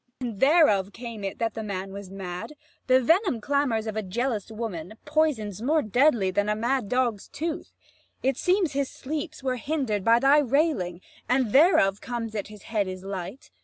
Abb. And thereof came it that the man was mad: The venom clamours of a jealous woman, Poisons more deadly than a mad dog's tooth. 70 It seems his sleeps were hinder'd by thy railing: And thereof comes it that his head is light.